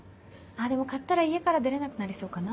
でも買ったら家から出れなくなりそうかな。